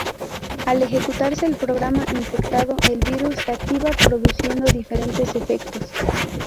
Al ejecutarse el programa infectado, el virus se activa, produciendo diferentes efectos.